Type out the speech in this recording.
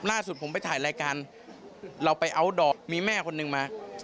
ล่าสุดผมไปถ่ายรายการเราไปอัลดอร์ตมีแม่คนหนึ่งมา